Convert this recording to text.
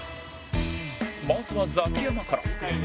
まずはザキヤマから